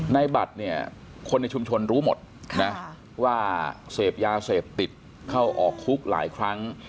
ในบัตรเนี่ยคนในชุมชนรู้หมดนะว่าเสพยาเสพติดเข้าออกคุกหลายครั้ง